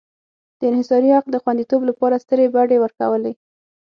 د انحصاري حق د خوندیتوب لپاره سترې بډې ورکولې.